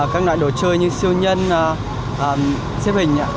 các loại đồ chơi như siêu nhân xếp hình